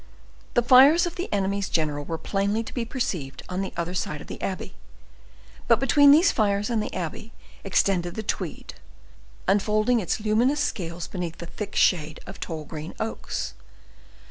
The fires of the enemy's general were plainly to be perceived on the other side of the abbey. But between these fires and the abbey extended the Tweed, unfolding its luminous scales beneath the thick shade of tall green oaks.